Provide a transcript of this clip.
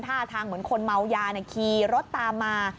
ท่าทางเหมือนคนเมายาขี่รถตามมา